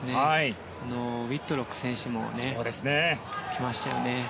ウィットロック選手も来ましたよね。